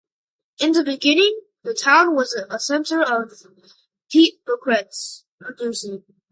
In the beginning the town was a center of peat briquettes producing.